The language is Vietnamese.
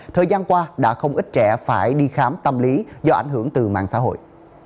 thời gian qua đã không ít trẻ phải đi khám tâm lý do ảnh hưởng từ mạng xã hội